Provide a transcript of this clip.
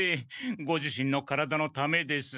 ご自身の体のためです。